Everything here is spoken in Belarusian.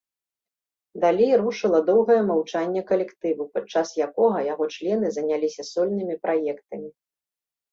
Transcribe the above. Далей рушыла доўгае маўчанне калектыву, падчас якога яго члены заняліся сольнымі праектамі.